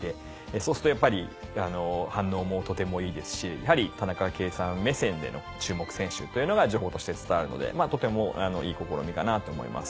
そうするとやっぱり反応もとてもいいですしやはり田中圭さん目線での注目選手というのが情報として伝わるのでとてもいい試みかなと思います。